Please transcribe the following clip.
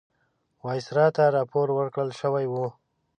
وایسرا ته راپور ورکړل شوی وو.